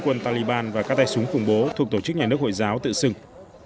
quân taliban và các tay súng khủng bố thuộc tổ chức nhà nước hội giáo tự xưng